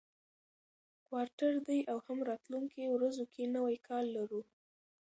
کوارټر دی او هم راتلونکو ورځو کې نوی کال لرو،